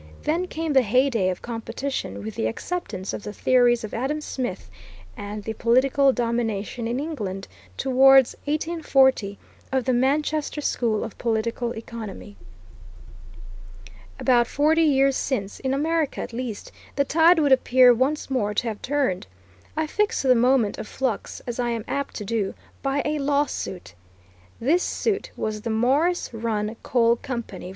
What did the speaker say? Then came the heyday of competition with the acceptance of the theories of Adam Smith, and the political domination in England, towards 1840, of the Manchester school of political economy. About forty years since, in America at least, the tide would appear once more to have turned. I fix the moment of flux, as I am apt to do, by a lawsuit. This suit was the Morris Run Coal Company _v.